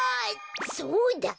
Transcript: そうだ。